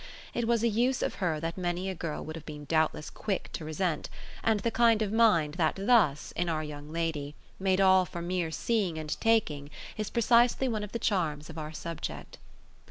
It was a use of her that many a girl would have been doubtless quick to resent; and the kind of mind that thus, in our young lady, made all for mere seeing and taking is precisely one of the charms of our subject.